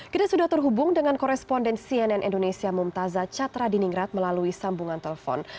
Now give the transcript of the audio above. kita sudah terhubung dengan koresponden cnn indonesia mumtaza catra diningrat melalui sambungan telepon